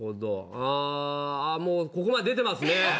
あー、もうここまで出てますね。